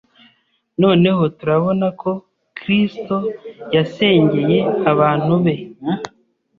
Noneho turabona ko Kristo yasengeye abantu be,